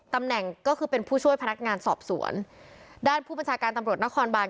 ตำแหน่งก็คือเป็นผู้ช่วยพนักงานสอบสวนด้านผู้บัญชาการตำรวจนครบาน